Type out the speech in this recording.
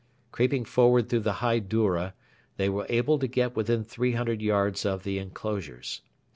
Creeping forward through the high doura, they were able to get within 300 yards of the enclosures.